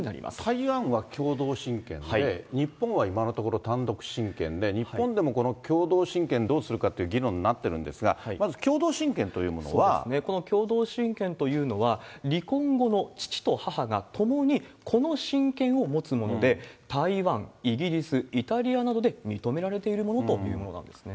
台湾は共同親権で、日本は今のところ、単独親権で、日本でもこの共同親権、どうするかという議論になってるんですが、まず共同親権というもこの共同親権というのは、離婚後の父と母が共に子の親権を持つもので、台湾、イギリス、イタリアなどで認められているものというものなんですね。